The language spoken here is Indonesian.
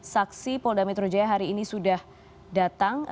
saksi polda metro jaya hari ini sudah datang